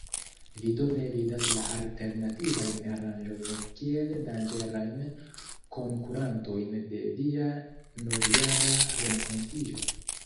Vi do ne vidas la alternativajn aranĝojn kiel danĝerajn konkurantojn de via Novjara Renkontiĝo?